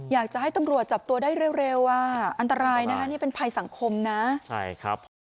อยากจะให้ตำรวจจับตัวได้เร็วอันตรายนะนี่เป็นภัยสังคมนะ